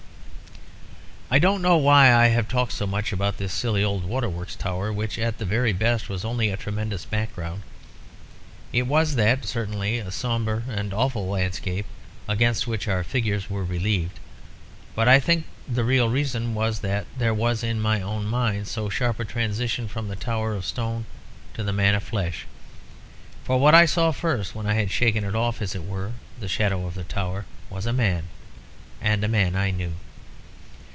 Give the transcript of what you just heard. "I don't know why I have talked so much about this silly old Waterworks Tower, which at the very best was only a tremendous background. It was that, certainly, a sombre and awful landscape, against which our figures were relieved. But I think the real reason was, that there was in my own mind so sharp a transition from the tower of stone to the man of flesh. For what I saw first when I had shaken off, as it were, the shadow of the tower, was a man, and a man I knew.